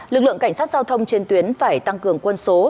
lực lượng cảnh sát giao thông trên tuyến phải tăng cường quân số